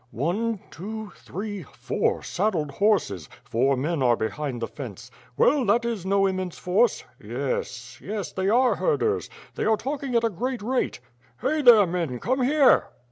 "One, two, three, four saddled horses — four men are behind the fence. Well that is no immense force. Yes! Yes! they are herders. They are talking at a great rate. Hey! there, men, come here."